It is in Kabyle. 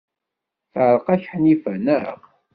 Teɛreq-ak Ḥnifa, naɣ?